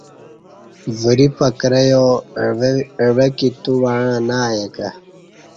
وری پکرہ یا عویکی تووعݩع نہ ائے کہ